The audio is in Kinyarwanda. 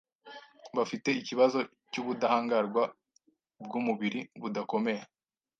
bafite ikibazo cy’ubudahangarwa bw’umubiri budakomeye